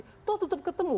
itu tetap ketemu